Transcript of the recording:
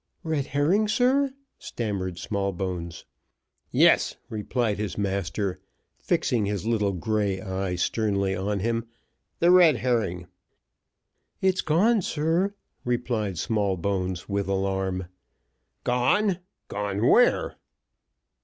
"Red herring, sir?" stammered Smallbones. "Yes," replied his master, fixing his little grey eye sternly on him, "the red herring." "It's gone, sir!" replied Smallbones, with alarm. "Gone! gone where?"